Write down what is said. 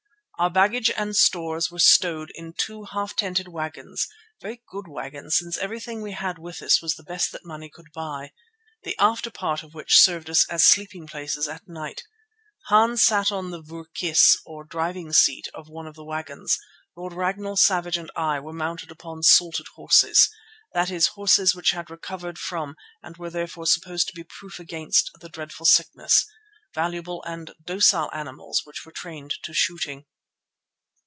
Our baggage and stores were stowed in two half tented wagons, very good wagons since everything we had with us was the best that money could buy, the after part of which served us as sleeping places at night. Hans sat on the voor kisse or driving seat of one of the wagons; Lord Ragnall, Savage and I were mounted upon "salted" horses, that is, horses which had recovered from and were therefore supposed to be proof against the dreadful sickness, valuable and docile animals which were trained to shooting.